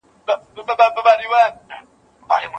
که یې ته په بد نوم ویادوې، د خلګو درڅخه درته کمیږي.